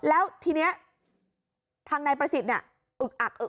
แล้วทีนี้ทางนายประสิทธิ์เนี่ยอึกอักอึก